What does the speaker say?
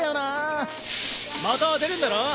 また出るんだろ？